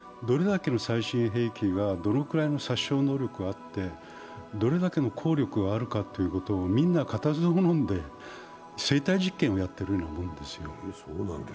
ただ、世界の兵器産業から見ると今のウクライナはもう完全な実験場でどれだけの最新兵器がどのくらいの殺傷能力があってどれだけの効力があるかということをみんな、固唾をのんで生体実験をやっているようなもんですよ。